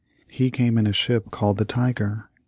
He came in a ship called the Tiger.